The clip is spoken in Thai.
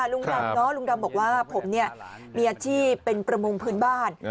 ลุงดำบอกว่าผมเนี่ยมีอาทิตย์เป็นประมงพื้นบ้าน